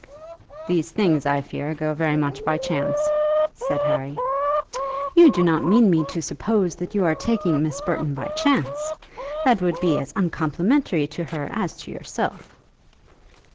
"These things, I fear, go very much by chance," said Harry. "You do not mean me to suppose that you are taking Miss Burton by chance. That would be as uncomplimentary to her as to yourself."